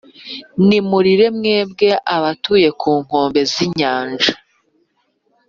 nimurire mwebwe, abatuye ku nkombe z’inyanja!